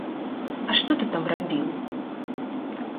А што ты там рабіў?